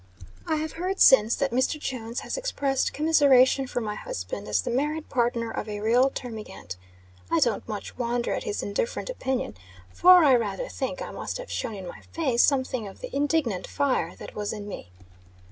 I have heard since that Mr. Jones has expressed commiseration for my husband, as the married partner of a real termigant. I don't much wonder at his indifferent opinion; for, I rather think I must have shown in my face something of the indignant fire that was in me.